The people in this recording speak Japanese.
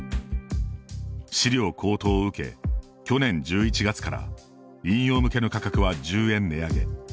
飼料高騰を受け、去年１１月から飲用向けの価格は１０円値上げ。